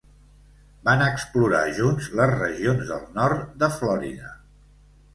Van explorar junts les regions del nord de Florida.